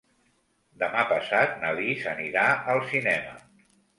Demà passat na Lis anirà al cinema.